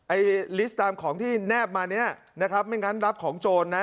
ไอ้ลิสต์ตามของที่แนบมาเนี้ยนะครับไม่งั้นรับของโจรนะ